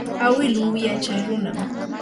awilu yachaw runam.